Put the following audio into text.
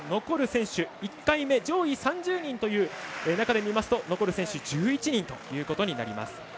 残る選手、１回目上位３０人という中で見ますと残る選手、１１人ということになります。